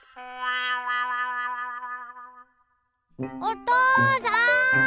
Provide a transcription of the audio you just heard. おとうさん！